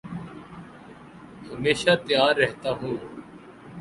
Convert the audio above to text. ہمیشہ تیار رہتا ہوں